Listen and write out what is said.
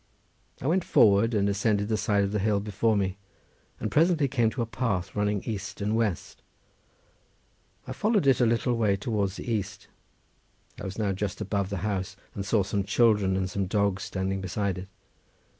I went forward and ascended the side of the hill before me, and presently came to a path running east and west. I followed it a little way towards the east. I was now just above the house, and saw some children and some dogs standing beside it.